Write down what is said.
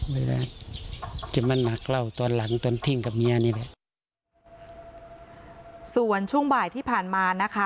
เวลาจะมาหนักเล่าตอนหลังตอนทิ้งกับเมียนี่แหละส่วนช่วงบ่ายที่ผ่านมานะคะ